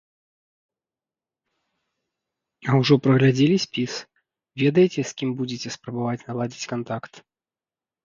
А ўжо праглядзелі спіс, ведаеце, з кім будзеце спрабаваць наладзіць кантакт?